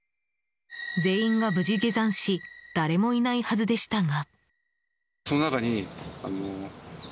全員が無事下山し誰もいないはずでしたが。